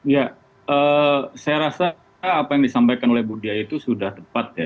ya saya rasa apa yang disampaikan oleh bu dia itu sudah tepat ya